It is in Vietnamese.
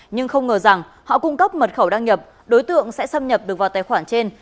nhưng không ngờ rằng họ cung cấp mật khẩu đăng nhập đối tượng sẽ xâm nhập được vào tài khoản trên